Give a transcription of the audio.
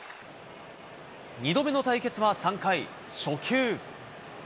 ２度目の対決は３回、初球。